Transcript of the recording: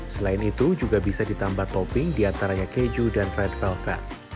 selain itu juga bisa ditambah topping diantaranya keju dan red velvet